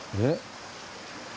えっ？